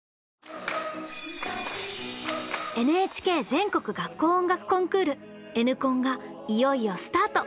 ＮＨＫ全国学校音楽コンクール「Ｎコン」がいよいよスタート！